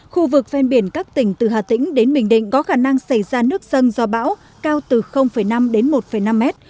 khu vực ven biển các tỉnh từ hà tĩnh đến bình định có khả năng xảy ra nước dân do bão cao từ năm đến một năm mét